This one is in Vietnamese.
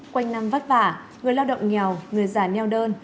quanh năm vất vả người lao động nghèo người già neo đơn